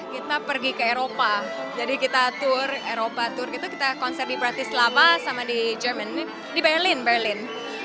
kita pergi ke eropa jadi kita tur eropa tour kita konser di bratislava sama di berlin